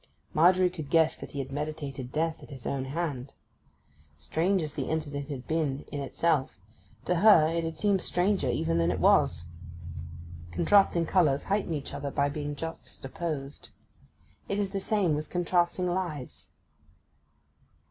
Margery could guess that he had meditated death at his own hand. Strange as the incident had been in itself; to her it had seemed stranger even than it was. Contrasting colours heighten each other by being juxtaposed; it is the same with contrasting lives.